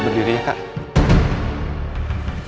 berdiri ya kak